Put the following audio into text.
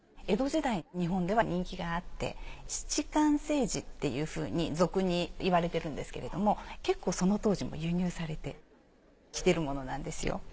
江戸時代日本では人気があって七官青磁っていうふうに俗に言われてるんですけれども結構その当時も輸入されてきてるものなんですよ。